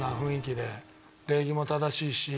礼儀も正しいし